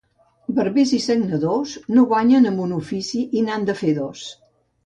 Barbers i sagnadors no guanyen amb un ofici i n'han de fer dos.